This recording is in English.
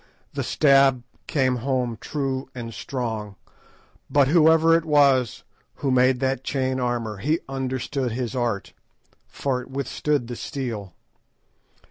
The stab came home true and strong, but whoever it was who made that chain armour, he understood his art, for it withstood the steel.